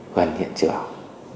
gần hiện trường